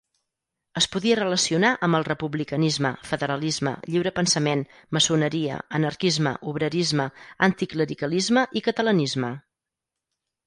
Es podia relacionar amb el republicanisme, federalisme, lliure pensament, maçoneria, anarquisme, obrerisme, anticlericalisme i catalanisme.